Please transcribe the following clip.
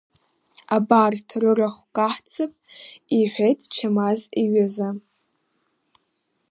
Абарҭ рырахә каҳцап, — иҳәеит Чамаз иҩыза.